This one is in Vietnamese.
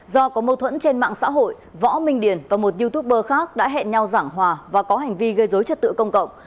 do có mâu thuẫn trên mạng xã hội võ minh điền và một youtuber khác đã hẹn nhau giảng hòa và có hành vi gây dối trật tự công cộng